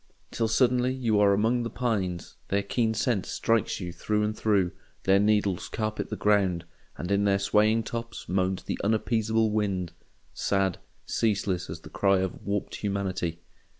Till suddenly you are among the pines, their keen scent strikes you through and through, their needles carpet the ground, and in their swaying tops moans the unappeasable wind—sad, ceaseless, as the cry of a warped humanity.